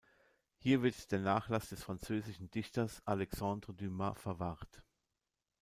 Hier wird der Nachlass des französischen Dichters Alexandre Dumas verwahrt.